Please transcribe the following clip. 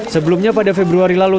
sebelumnya pada februari lalu